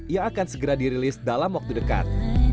yang akan segera dirilis dalam waktu dekat